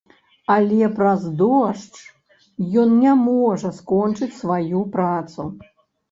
Але праз дождж ён не можа скочыць сваю працу.